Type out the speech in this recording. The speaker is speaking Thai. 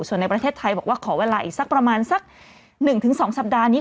ส่วนในประเทศไทยบอกว่าขอเวลาอีกสักประมาณสัก๑๒สัปดาห์นี้